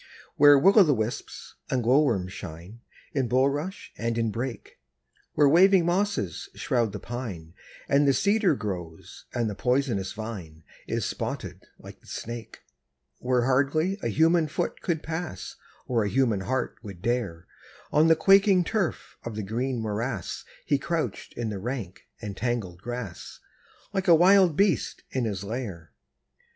Where will o' the wisps and glow worms shine, In bulrush and in brake; Where waving mosses shroud the pine, And the cedar grows, and the poisonous vine Is spotted like the snake; Where hardly a human foot could pass, Or a human heart would dare, On the quaking turf of the green morass He crouched in the rank and tangled grass, Like a wild beast in his lair.